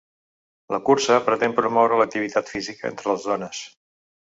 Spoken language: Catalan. La cursa pretén promoure l’activitat física entre les dones.